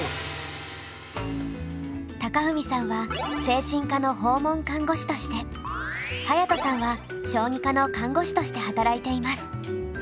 貴文さんは精神科の訪問看護師として隼人さんは小児科の看護師として働いています。